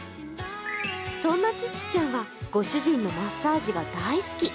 そんなちっちちゃんはご主人のマッサージが大好き。